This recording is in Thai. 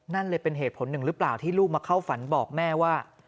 นั่นเลยเป็นเหตุผลหนึ่งหรือเปล่าที่ลูกมาเข้าฝันบอกแม่ว่า